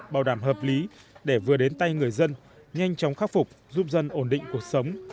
bảo đảm hợp lý để vừa đến tay người dân nhanh chóng khắc phục giúp dân ổn định cuộc sống